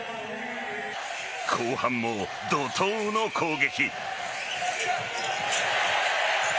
後半も怒涛の攻撃。